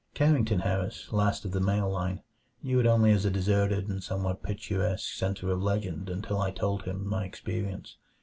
Carrington Harris, last of the male line, knew it only as a deserted and somewhat picturesque center of legend until I told him my experience.